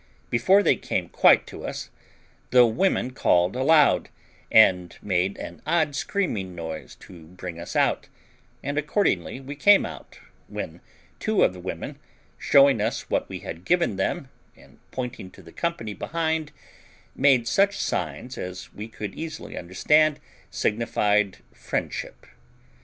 Before they came quite to us, the women called aloud, and made an odd screaming noise to bring us out; and accordingly we came out, when two of the women, showing us what we had given them, and pointing to the company behind, made such signs as we could easily understand signified friendship.